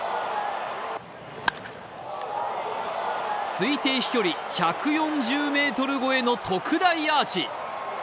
推定飛距離１４０ｍ超えの特大アーチ。